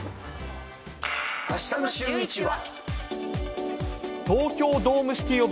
あしたのシューイチは。